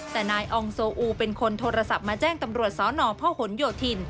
แต่นายอองโซอูเป็นคนโทรศัพท์มาแจ้งตำรวจสนพหนโยธิน